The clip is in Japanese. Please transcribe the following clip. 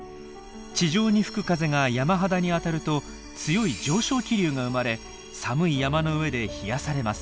地上に吹く風が山肌に当たると強い上昇気流が生まれ寒い山の上で冷やされます。